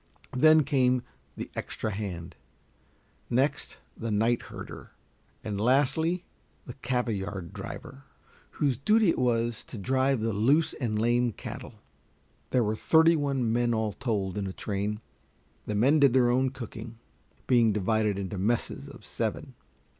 Then came the "extra hand," next the night herder, and lastly the cavayard driver, whose duty it was to drive the loose and lame cattle. There were thirty one men all told in a train. The men did their own cooking, being divided into messes of seven.